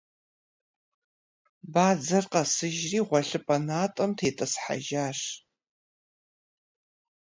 Бадзэр къэсыжри, гъуэлъыпӏэ натӏэм тетӏысхьэжащ.